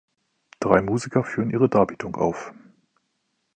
Drei Musiker führen ihre Darbietung auf.